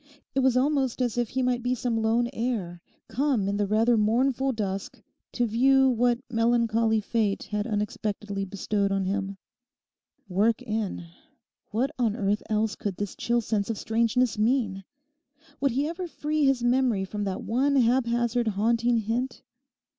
It was almost as if he might be some lone heir come in the rather mournful dusk to view what melancholy fate had unexpectedly bestowed on him. 'Work in'—what on earth else could this chill sense of strangeness mean? Would he ever free his memory from that one haphazard, haunting hint?